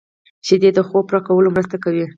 شیدې د خوب پوره کولو مرسته کوي